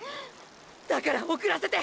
だから送らせて！！